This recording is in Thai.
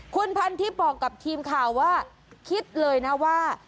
คุณพันทิพย์บอกกับทีมข่าวว่าคิดเลยนะว่า